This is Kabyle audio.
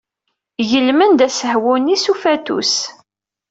Gelmen-d asehwu-nni s ufatus.